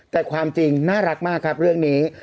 แต่ความจริงน่ารักมากครับเรื่องนี้